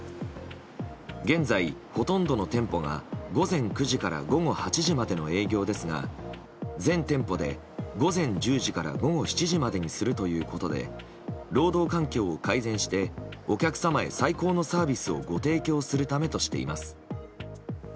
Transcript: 現在、ほとんどの店舗が午前９時から午後８時までの営業ですが全店舗で午前１０時から午後７時までにするということで労働環境を改善して、お客様へ最高のサービスをご提供するためとしています。